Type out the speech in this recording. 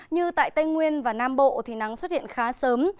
như tại tây nguyên và nam bộ thì nắng xuất hiện khá sớm